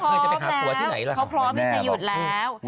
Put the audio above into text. เขาพร้อมแล้วเขาพร้อมแล้วจะหยุดแล้ว